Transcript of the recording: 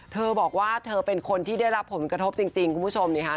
เธอบอกว่าเธอเป็นคนที่ได้รับผลกระทบจริงคุณผู้ชมนี่ค่ะ